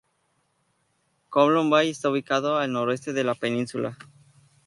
Kowloon Bay está ubicado a el noreste de la península.